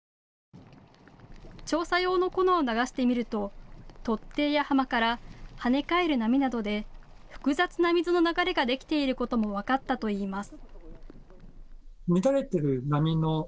調査用の粉を流してみると突堤や浜から跳ね返る波などで複雑な水の流れができていることも分かったといいます。